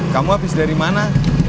kamu habis dari mana